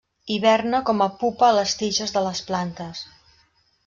Hiberna com a pupa a les tiges de les plantes.